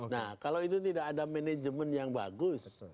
nah kalau itu tidak ada manajemen yang bagus